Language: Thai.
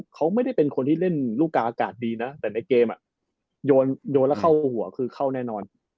เขาไม่ได้เป็นคนที่เล่นลูกกาอากาศดีนะแต่ในเกมโยนแล้วเข้าหัวคือเข้าแน่นอน